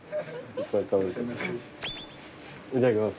いただきます。